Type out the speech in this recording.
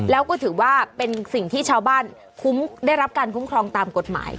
แล้วก็ถือว่าเป็นสิ่งที่ชาวบ้านคุ้มได้รับการคุ้มครองตามกฎหมาย